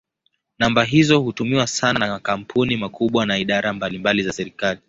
Namba hizo hutumiwa sana na makampuni makubwa na idara mbalimbali za serikali.